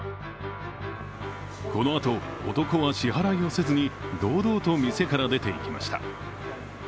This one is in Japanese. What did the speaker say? このあと、男は支払いをせずに堂々と店から出ていきました。